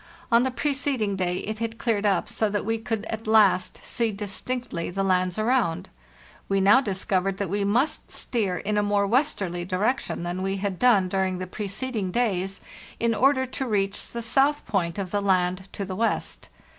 On the preceding day it had cleared up so that we could at last see distinctly the lands around. We now discov ered that we must steer in a more westerly direction than we had done during the preceding days, in order to reach the south point of the land to the west.